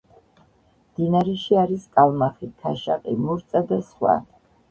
მდინარეში არის კალმახი, ქაშაყი, მურწა და სხვა.